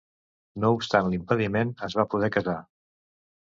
No obstant l'impediment, es va poder casar.